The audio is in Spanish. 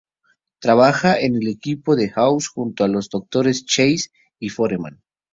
Trabaja en el equipo de House junto a los doctores Chase y Foreman.